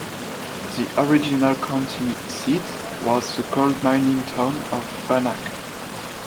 The original county seat was the gold-mining town of Bannack.